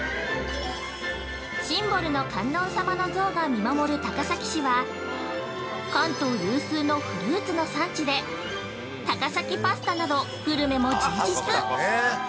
シンボルの観音様の像が見守る高崎市は、関東有数のフルーツの産地で、高崎パスタなどグルメも充実！